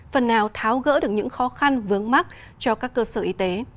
phần nào tháo gỡ được những khó khăn vướng mắt cho các cơ sở y tế